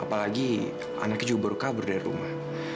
apalagi anaknya juga baru kabur dari rumah